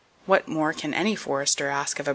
What more can any forester ask of a bird?